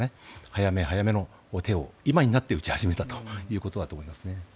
早め早めの手を今になって打ち始めたということだと思います。